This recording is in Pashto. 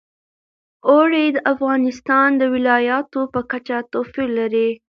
اوړي د افغانستان د ولایاتو په کچه توپیر لري.